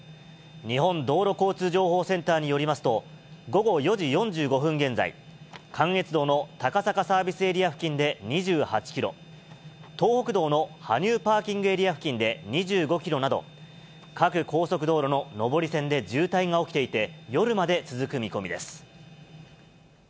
日本道路交通情報センターによりますと、午後４時４５分現在、関越道の高坂サービスエリア付近で２８キロ、東北道の羽生パーキングエリア付近で２５キロなど、各高速道路の上り線で渋滞が起きていて、夜まで続く見込みです。